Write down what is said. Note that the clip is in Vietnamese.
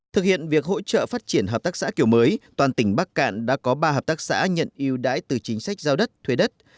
thực hiện việc hỗ trợ phát triển hợp tác xã kiểu mới toàn tỉnh bắc cạn đã có ba hợp tác xã nhận yêu đãi từ chính sách giao đất thuê đất